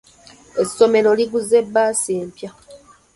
Essomero liguze bbaasi empya.